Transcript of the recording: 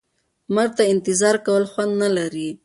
مرګ ته انتظار کول خوند نه لري.